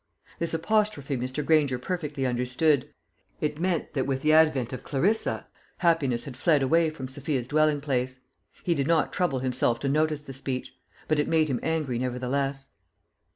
This apostrophe Mr. Granger perfectly understood it meant that, with the advent of Clarissa, happiness had fled away from Sophia's dwelling place. He did not trouble himself to notice the speech; but it made him angry nevertheless.